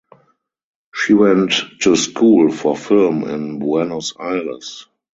She went to school for film in Buenos Aires.